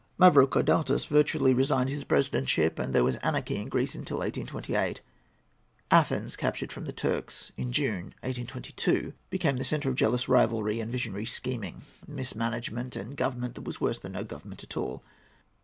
Mavrocordatos virtually resigned his presidentship, and there was anarchy in Greece till 1828. Athens, captured from the Turks in June, 1822, became the centre of jealous rivalry and visionary scheming, mismanagement, and government that was worse than no government at all.